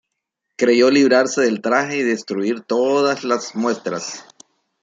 Creyó librarse del traje y destruir todas las muestras.